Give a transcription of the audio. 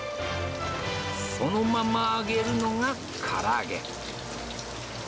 そのまま揚げるのがから揚げ。